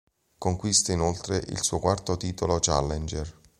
Conquista inoltre il suo quarto titolo Challenger.